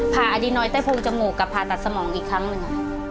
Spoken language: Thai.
ผ่าอาดีนอยด์ใต้ภูมิจมูกกับผ่าตัดสมองอีกครั้งหนึ่ง